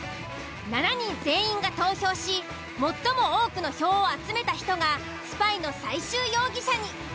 ７人全員が投票し最も多くの票を集めた人がスパイの最終容疑者に。